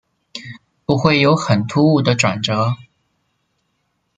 不会有很突兀的转折